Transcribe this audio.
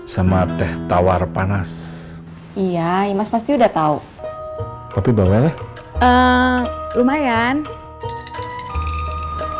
sama teh tawar panas iya imas pasti udah tahu tapi bawalah lumayan tapi